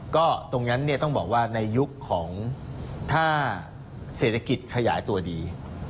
ก็ตรงนั้นเนี่ยต้องบอกว่าในยุคของถ้าเศรษฐกิจขยายตัวดี